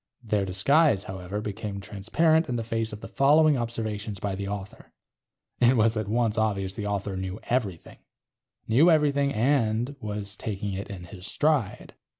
Their disguise, however, became transparent in the face of the following observations by the author. It was at once obvious the author knew everything. Knew everything and was taking it in his stride.